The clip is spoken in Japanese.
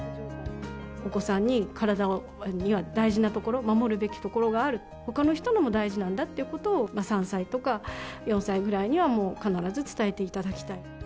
お子さんに、体には大事なところ、守るべきところがある、ほかの人のも大事なんだということを、３歳とか４歳ぐらいには、もう必ず伝えていただきたい。